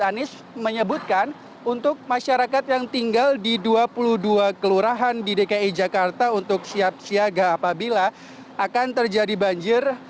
anies menyebutkan untuk masyarakat yang tinggal di dua puluh dua kelurahan di dki jakarta untuk siap siaga apabila akan terjadi banjir